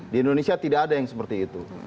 di indonesia tidak ada yang seperti itu